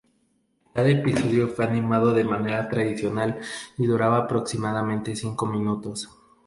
Cada episodio fue animado de manera tradicional y duraba aproximadamente cinco minutos.